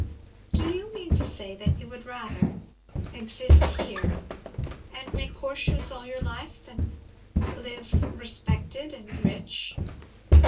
"Do you mean to say that you would rather exist here, and make horseshoes all your life, than live, respected, and rich."